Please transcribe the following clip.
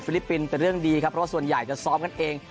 ลิปปินส์เป็นเรื่องดีครับเพราะว่าส่วนใหญ่จะซ้อมกันเอง